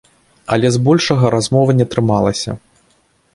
Але з большага размова не атрымалася.